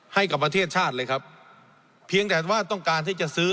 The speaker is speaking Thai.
ให้กับประเทศชาติเลยครับเพียงแต่ว่าต้องการที่จะซื้อ